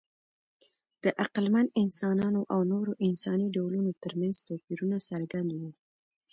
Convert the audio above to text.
د عقلمن انسانانو او نورو انساني ډولونو ترمنځ توپیرونه څرګند وو.